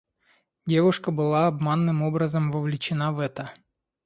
Девушка была обманным образом вовлечена в это...